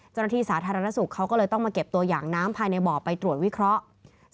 เจ้าหน้าที่สาธารณสุขเขาก็เลยต้องมาเก็บตัวอย่างน้ำภายในบ่อไปตรวจวิเคราะห์